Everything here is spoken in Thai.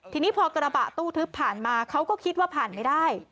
ทีนี้พอกระบะตู้ทึบผ่านมาเขาก็คิดว่าผ่านไม่ได้